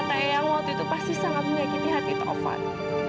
kata kata yang waktu itu pasti sangat menyakiti hati tovan